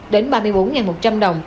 đến ba mươi bốn một trăm linh đồng